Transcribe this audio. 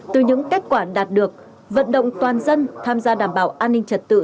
từ những kết quả đạt được vận động toàn dân tham gia đảm bảo an ninh trật tự